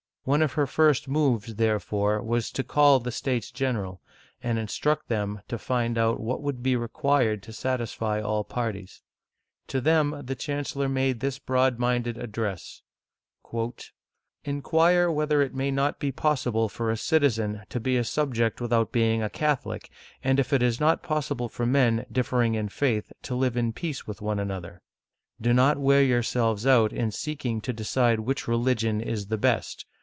One of her first moves, therefore, was to call the States General, and instruct them to find out what would be required to satisfy all parties. To them 1 See Story of the Thirteen Colonies^ pp. 74 75. Digitized by VjOOQIC 254 OLD FRANCE the Chancellor made this broad minded address :" Inquire whether it may not be possible for a citizen to be a subject without being a Catholic, and if it is not possible for men, differing in faith, to live in peace with one another. Do not wear yourselves out in seeking to decide which religion is the best.